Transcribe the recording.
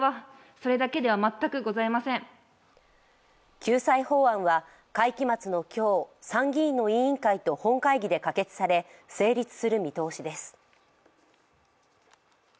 救済法案は会期末の今日、参議院の委員会と本会議で可決され、成立する見通しです。